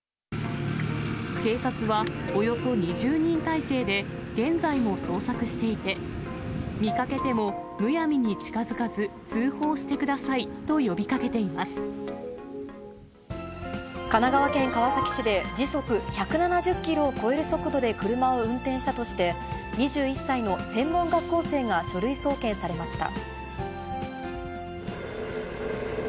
警察はおよそ２０人態勢で現在も捜索していて、見かけてもむやみに近づかず、通報してくださ神奈川県川崎市で、時速１７０キロを超える速度で車を運転したとして、２１歳の専門学校生が書類送検されました。